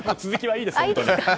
続きはいいです。